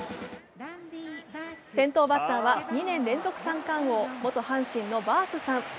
先頭バッターは２年連続三冠王、元阪神のバースさん。